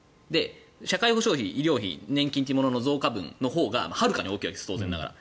社会保障費、医療費年金の増加分がはるかに大きいわけです当然ながら。